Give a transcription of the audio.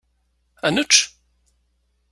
Ad nečč?